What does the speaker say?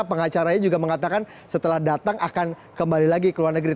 pengacaranya juga mengatakan setelah datang akan kembali lagi ke luar negeri